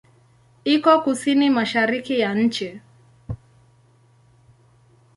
Iko kusini-mashariki ya nchi.